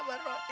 ya allah pok